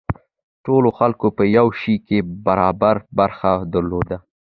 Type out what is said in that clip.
ټولو خلکو په یو شي کې برابره برخه درلوده.